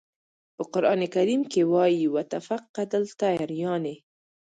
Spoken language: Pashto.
په قرآن کریم کې وایي "و تفقد الطیر" یانې.